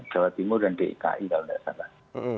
jawa timur dan dki kalau tidak salah